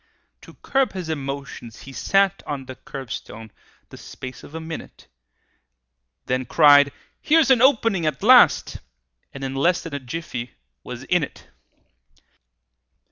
To curb his emotions, he sat On the curbstone the space of a minute, Then cried, "Here's an opening at last!" And in less than a jiffy was in it!